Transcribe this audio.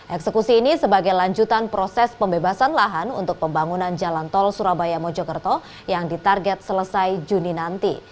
eksekusi ini sebagai lanjutan proses pembebasan lahan untuk pembangunan jalan tol surabaya mojokerto yang ditarget selesai juni nanti